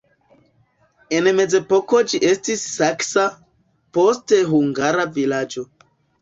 En mezepoko ĝi estis saksa, poste hungara vilaĝo.